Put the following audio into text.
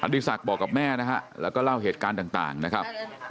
ดีศักดิ์บอกกับแม่นะฮะแล้วก็เล่าเหตุการณ์ต่างนะครับ